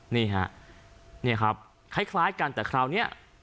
นี่ฮะนี่ครับคล้ายกันแต่คราวนี้